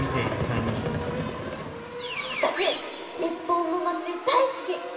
あたし日本のお祭り大すき！